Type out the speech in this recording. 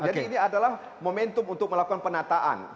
jadi ini adalah momentum untuk melakukan penataan